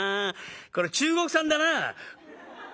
これ中国産だな」。